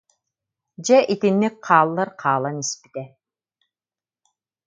Дьэ, итинник хааллар хаа- лан испитэ